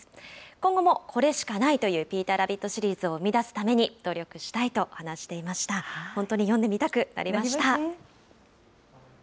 今後もこれしかないというピーターラビットシリーズを生み出すために努力したいと話していました。